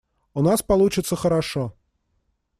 У нас получится хорошо.